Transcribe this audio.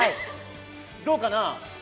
どうかな？